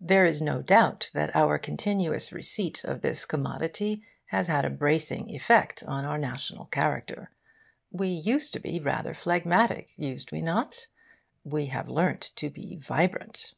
There is no doubt that our continuous receipt of this commodity has had a bracing effect on our national character. We used to be rather phlegmatic, used we not? We have learnt to be vibrant.